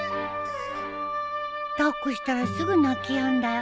抱っこしたらすぐ泣きやんだよ。